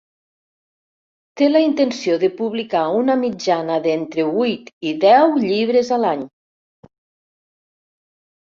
Té la intenció de publicar una mitjana d'entre huit i deu llibres a l'any.